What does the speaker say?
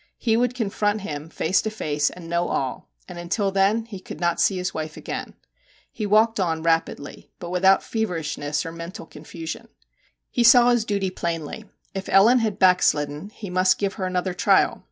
He would confront him face to face and know all and until then he could not see his wife again. He walked on rapidly, but without feverishness or mental confusion. He saw his duty plainly : if Ellen had 'backslidden/ he must give her another trial.